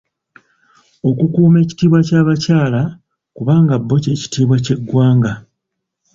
Okukuuma ekitiibwa ky’abakyala kubanga bo ky’ekitiibwa ky’eggwanga.